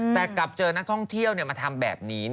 แต่กลับเจอนักท่องเที่ยวมาทำแบบนี้